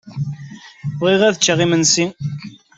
Ffɣeɣ ad cceɣ imensi.